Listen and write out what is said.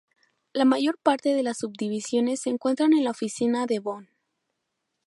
La mayor parte de las subdivisiones se encuentran en la oficina de Bonn.